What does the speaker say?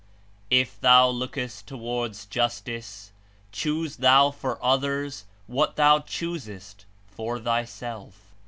If thou lookest towards Justice, choose thou for others what thou choosest for thyself."